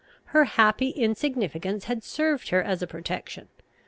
Her happy insignificance had served her as a protection.